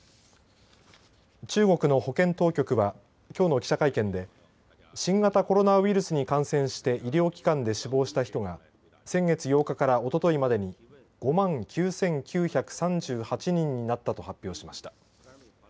中国の保健当局はきょうの記者会見で新型コロナウイルスに感染して医療機関で死亡した人が先月８日からおとといまでに５万９９３８人になったと発表しました。